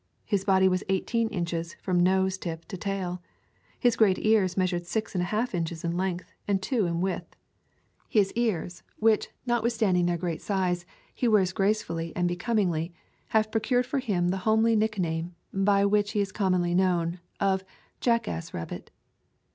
His body was eighteen inches, from nose tip to tail. His great ears measured six and a half inches in length and two in width. His ears — which, notwithstand [ 201 ] A Thousand Mile Walk ing their great size, he wears gracefully and be comingly — have procured for him the homely nickname, by which he is commonly known, of "Jackass rabbit."